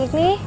aduh kok gila